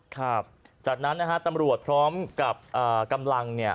ครับจากนั้นนะฮะตำรวจพร้อมกับกำลังเนี่ย